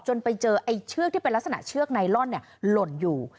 ไปเจอไอ้เชือกที่เป็นลักษณะเชือกไนลอนหล่นอยู่